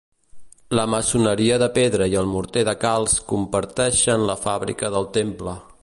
La maçoneria de pedra i el morter de calç comparteixen la fàbrica del temple.